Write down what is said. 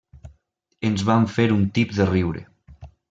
Ens vam fer un tip de riure.